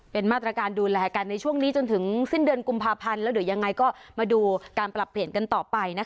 เป็นมาตรการดูแลกันในช่วงนี้จนถึงสิ้นเดือนกุมภาพันธ์แล้วเดี๋ยวยังไงก็มาดูการปรับเปลี่ยนกันต่อไปนะคะ